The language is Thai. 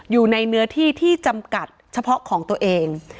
อยู่ในเนื้อที่ที่จำกัดเฉพาะของตัวเอง